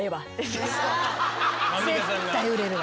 絶対売れるわ。